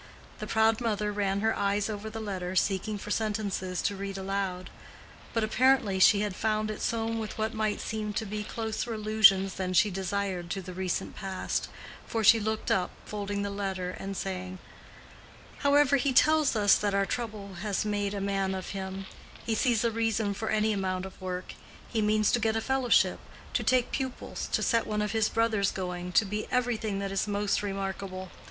The proud mother ran her eyes over the letter, seeking for sentences to read aloud. But apparently she had found it sown with what might seem to be closer allusions than she desired to the recent past, for she looked up, folding the letter, and saying, "However, he tells us that our trouble has made a man of him; he sees a reason for any amount of work: he means to get a fellowship, to take pupils, to set one of his brothers going, to be everything that is most remarkable.